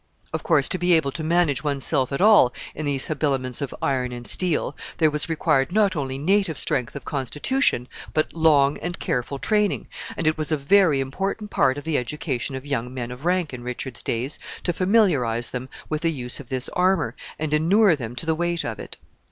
] Of course, to be able to manage one's self at all in these habiliments of iron and steel, there was required not only native strength of constitution, but long and careful training, and it was a very important part of the education of young men of rank in Richard's days to familiarize them with the use of this armor, and inure them to the weight of it.